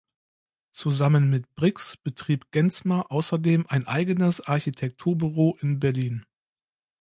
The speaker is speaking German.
Zusammen mit Brix betrieb Genzmer außerdem ein eigenes Architekturbüro in Berlin.